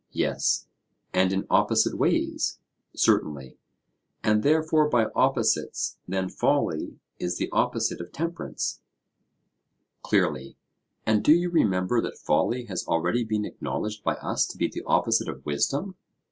Yes. And in opposite ways? Certainly. And therefore by opposites: then folly is the opposite of temperance? Clearly. And do you remember that folly has already been acknowledged by us to be the opposite of wisdom?